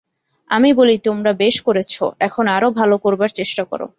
আমি বলি, তোমরা বেশ করেছ, এখন আরও ভাল করবার চেষ্টা কর।